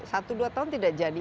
satu dua tahun tidak jadi